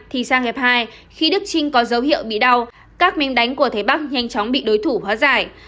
thì sang ngày hai khi đức trinh có dấu hiệu bị đau các minh đánh của thế bắc nhanh chóng bị đối thủ hóa giải